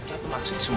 apa maksud semua ini